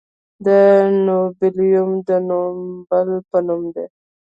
د نوبلیوم د نوبل په نوم دی.